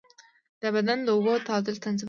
د بدن د اوبو تعادل تنظیموي.